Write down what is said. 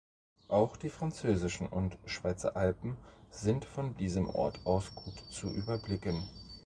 Auch die französischen und Schweizer Alpen sind von diesem Ort aus gut zu überblicken.